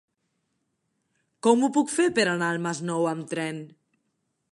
Com ho puc fer per anar al Masnou amb tren?